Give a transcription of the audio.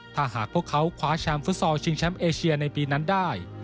ถ้าหากพวกเขาคว้าแชมป์ฟุตซอลชิงแชมป์เอเชียในปีนั้นได้